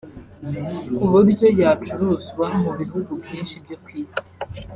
ku buryo yacuruzwa mu bihugu byinshi byo ku isi